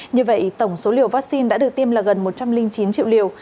như vậy tổng số liều vaccine đã được tiêm là gần một trăm linh chín triệu liều